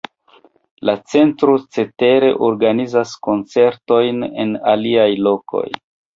La centro cetere organizas koncertojn en aliaj lokoj.